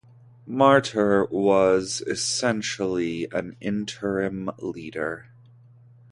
Marter was essentially an interim leader.